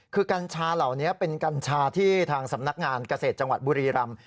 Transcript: คือกัญชาเหล่านี้เป็นกัญชาที่ทางสำนักงานเกษตรจังหวัดบุรีรำ